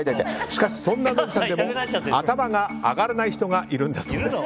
しかし、そんなノリさんでも頭が上がらない人がいるんだそうです。